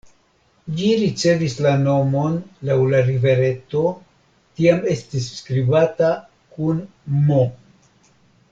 Ĝi ricevis la nomon laŭ la rivereto, tiam estis skribata kun "m".